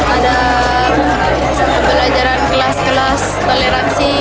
ada pelajaran kelas kelas toleransi